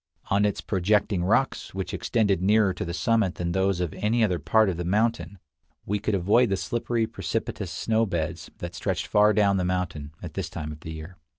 On its projecting rocks, which extended nearer to the summit than those of any other part of the mountain, we could avoid the slippery, precipitous snow beds that stretched far down the mountain at this time of the year.